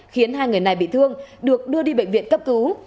khiến hai người này bị thương được đưa đi bệnh viện cấp cứu